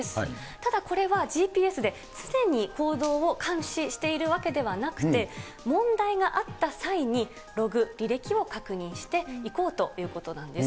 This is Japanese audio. ただ、これはＧＰＳで常に行動を監視しているわけではなくて、問題があった際に、ログ、履歴を確認していこうということなんです。